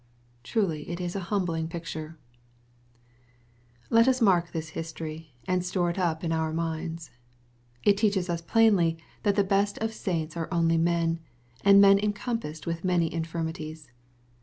— Truly it is a humbling picture ! Let us mark this history, and store it up in our minds. It teaches us plainly that the best of saints are only men, and men encompassed with many infirmities.